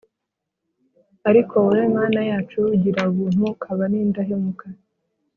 Ariko wowe, Mana yacu, ugira ubuntu ukaba n’indahemuka,